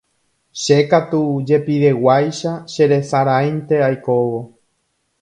Che katu jepiveguáicha cheresaráinte aikóvo.